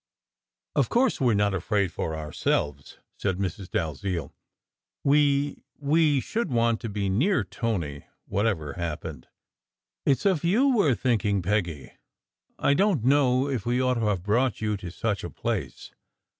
"Of course, we re not afraid for ourselves" said Mrs. Dalziel. "We we should want to be near Tony, what ever happened. It s of you we re thinking, Peggy. I don t know if we ought to have brought you to such a place.